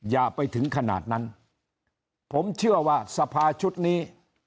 อย่าไปถึงขนาดนั้นผมเชื่อว่าสภาชุดนี้